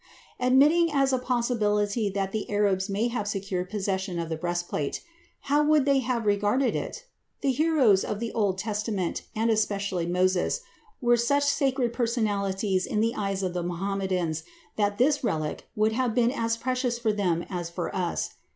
Admitting as a possibility that the Arabs may have secured possession of the breastplate, how would they have regarded it? The heroes of the Old Testament, and especially Moses, were such sacred personalities in the eyes of Mohammedans that this relic would have been as precious for them as for us.